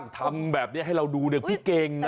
ทำแบบนี้ให้เราดูเนี่ยพี่เก่งนะ